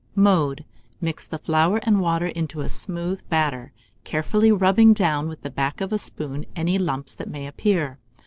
Mode. Mix the flour and water to a smooth batter, carefully rubbing down with the back of a spoon any lumps that may appear.